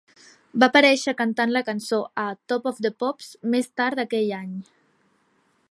Va aparèixer cantant la cançó a "Top of The Pops" més tard aquell any.